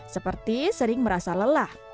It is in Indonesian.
seperti sering merasa lelah